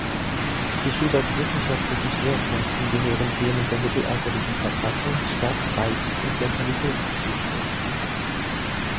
Zu Schuberts wissenschaftlichen Schwerpunkten gehören Themen der mittelalterlichen Verfassungs-, Stadt-, Reichs- und Mentalitätsgeschichte.